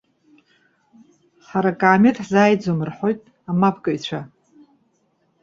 Ҳара акаамеҭ ҳзааиӡом,- рҳәоит амапкыҩцәа.